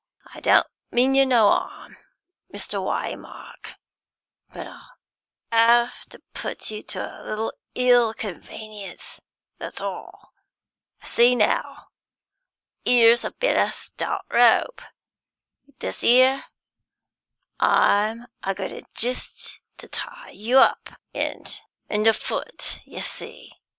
I don't mean you no 'arm, Mr. Waymark, but I'll have to put you to a little ill convenience, that's all. See now; here's a bit o' stout rope. With this 'ere, I'm a goin' jist to tie you up, 'and an' foot, you see.